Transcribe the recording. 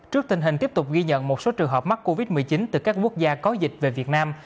trước tình hình tiếp tục ghi nhận một số trường hợp mắc covid một mươi chín từ các quốc gia có dịch về việt nam